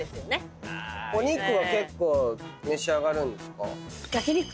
お肉は結構召し上がるんですか？